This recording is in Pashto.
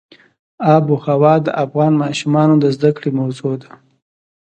آب وهوا د افغان ماشومانو د زده کړې موضوع ده.